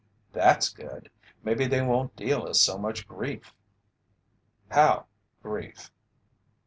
"That's good; maybe they won't deal us so much grief." "How grief?"